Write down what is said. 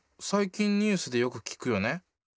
最近ニュースでよく聞くよね。